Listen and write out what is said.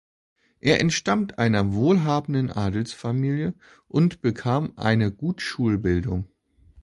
Er entstammt einer wohlhabenden Adelsfamilie und bekam eine gut Schulbildung.